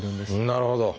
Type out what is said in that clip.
なるほど。